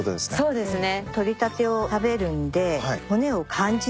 そうですね。